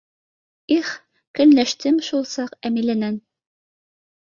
Их, көнләштем шул саҡ Әмиләнән.